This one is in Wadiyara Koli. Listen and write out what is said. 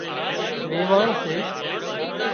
ويواڻ سي